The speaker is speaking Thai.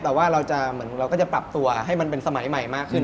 แต่ว่าเราก็จะปรับตัวให้มันเป็นสมัยใหม่มากขึ้น